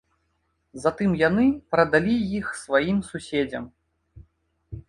Затым яны прадалі іх сваім суседзям.